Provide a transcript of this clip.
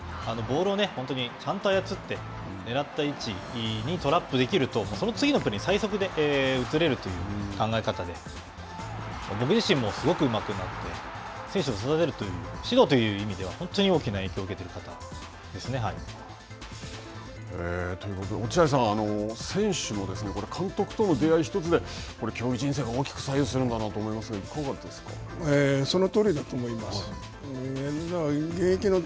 ボールを本当にちゃんと操ってねらった位置にトラップできると、その次のプレーに最速で移れるという考え方で僕自身もすごくうまくなって、選手を育てるという指導という意味では本当に大きな影響を受けている方ですね。ということで落合さん選手も監督との出会い１つで競技人生が大きく左右するんだなと思いますけどそのとおりだと思います。